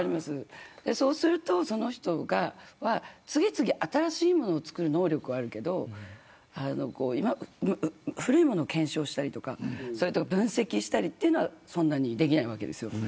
その人は、次々と新しいものを作る能力はあるけど古いものを検証したりとか分析したりというのはそんなにできないわけですよ。